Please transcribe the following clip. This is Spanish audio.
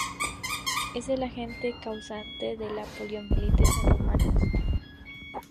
Es el agente causante de la poliomielitis en humanos.